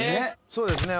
そうですね